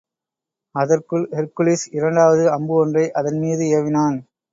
அதற்குள் ஹெர்க்குலிஸ் இரண்டாவது அம்பு ஒன்றை அதன் மீது ஏவினான்.